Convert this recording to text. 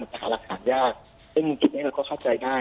และนี่ก็ทำให้ผู้ไข่ไม่มีแกนความปรับสรรค์จากภพศพ